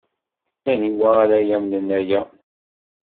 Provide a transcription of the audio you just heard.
Aniwa ara yamnen aya?